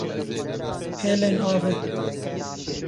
Pêlên avê